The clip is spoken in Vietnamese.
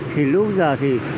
thì lúc giờ thì